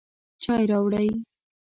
چای راوړئ